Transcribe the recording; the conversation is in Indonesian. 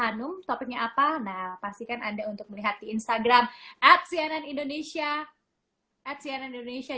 hanum topiknya apa nah pastikan anda untuk melihat di instagram at cnn indonesia at cnn indonesia